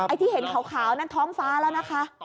ที่เห็นขาวนั่นท้องฟ้าแล้วนะคะ